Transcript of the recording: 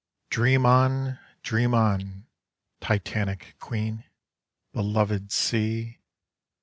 ( 9 ) Dream on, dream on, titanic oueen, beloved sea.